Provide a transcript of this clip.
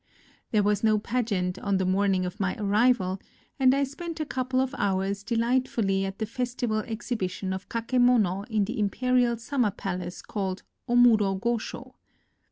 There was no pageant on the morning of my arrival, and I spent a couple of hours delightfully at the festival exhibition of kake mono in the imperial summer palace called Omuro Gosho.